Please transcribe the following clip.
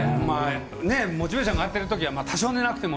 モチベーションが上がってるときは多少寝なくても。